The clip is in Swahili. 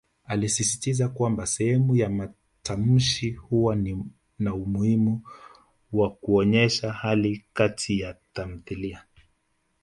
Alisisitiza kwamba sehemu ya matamshi huwa na umuhimu wa kuonyesha hali Kati ka tamthilia.